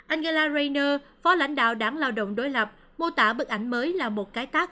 angela rainer phó lãnh đạo đảng lao động đối lập mô tả bức ảnh mới là một cái tác